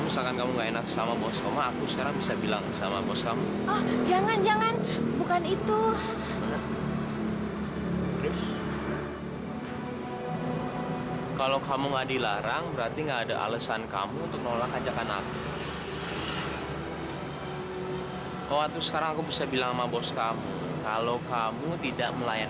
sampai jumpa di video selanjutnya